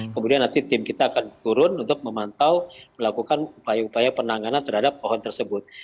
kemudian nanti tim kita akan turun untuk memantau melakukan upaya upaya penanganan terhadap pohon tersebut